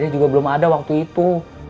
juga belum ada waktu itu